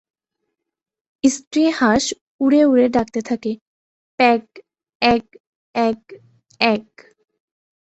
স্ত্রী হাঁস উড়ে উড়ে ডাকতে থাকে "গ্যাগ্...অ্যাগ্...অ্যাগ্...অ্যাগ্"।